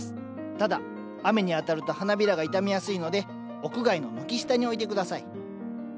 ただ雨に当たると花びらが傷みやすいので屋外の軒下に置いて下さい。